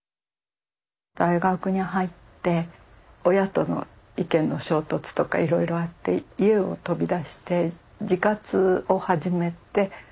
大学に入って親との意見の衝突とかいろいろあって家を飛び出して自活を始めて。